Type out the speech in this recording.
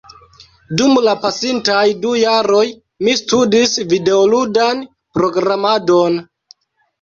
dum la pasintaj du jaroj mi studis videoludan programadon